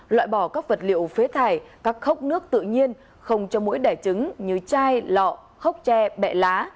loại bỏ các vật liệu phế thải các khốc nước tự nhiên không cho mũi đẻ trứng như chai lọ khốc tre bẹ lá